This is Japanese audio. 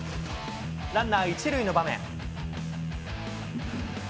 ランナー１塁の場面。